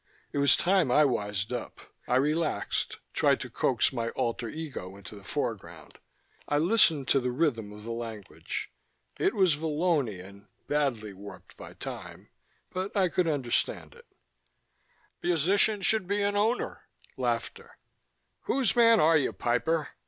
It was time I wised up. I relaxed, tried to coax my alter ego into the foreground. I listened to the rhythm of the language: it was Vallonian, badly warped by time, but I could understand it: " musician would be an Owner!" one of them said. Laughter. "Whose man are you, piper?